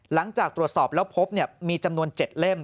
หลังจากตรวจสอบแล้วพบมีจำนวน๗เล่ม